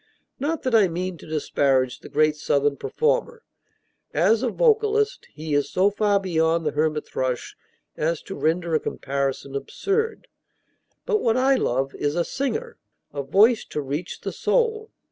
Not that I mean to disparage the great Southern performer; as a vocalist he is so far beyond the hermit thrush as to render a comparison absurd; but what I love is a singer, a voice to reach the soul.